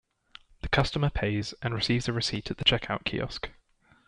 The customer pays and receives a receipt at the checkout kiosk.